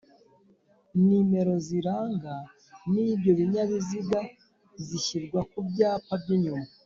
Nimero ziranga z'ibyo binyabiziga zishyirwa ku byapa by'icyuma